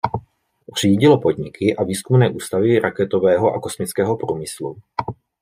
Řídilo podniky a výzkumné ústavy raketového a kosmického průmyslu.